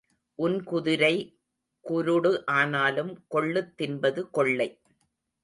உன் குதிரை குருடு ஆனாலும் கொள்ளுத் தின்பது கொள்ளை.